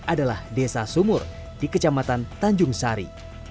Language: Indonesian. adalah desa sumur di kecamatan tanjung sari